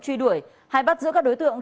truy đuổi hay bắt giữa các đối tượng